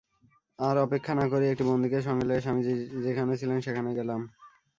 আর অপেক্ষা না করিয়া একটি বন্ধুকে সঙ্গে লইয়া স্বামীজী যেখানে ছিলেন সেখানে গেলাম।